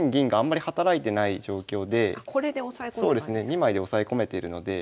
２枚で押さえ込めてるので。